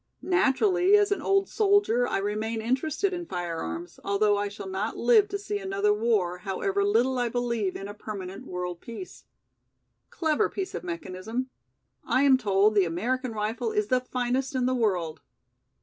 Naturally as an old soldier I remain interested in firearms, although I shall not live to see another war, however little I believe in a permanent world peace. Clever piece of mechanism! I am told the American rifle is the finest in the world!"